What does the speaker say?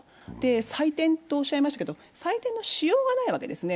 採点とおっしゃいましたけど、採点のしようがないわけですよね。